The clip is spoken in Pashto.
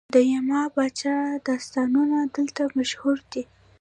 د یما پاچا داستانونه دلته مشهور دي